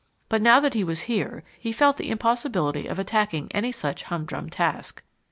But now that he was here he felt the impossibility of attacking any such humdrum task.